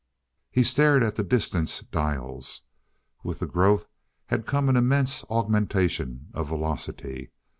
He stared at the distance dials. With the growth had come an immense augmentation of velocity.